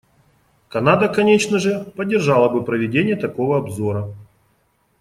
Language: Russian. Канада, конечно же, поддержала бы проведение такого обзора.